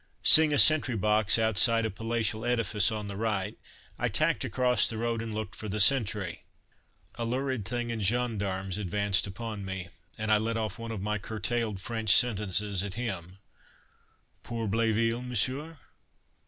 Seeing a sentry box outside a palatial edifice on the right, I tacked across the road and looked for the sentry. A lurid thing in gendarmes advanced upon me, and I let off one of my curtailed French sentences at him: "Pour Bléville, Monsieur?"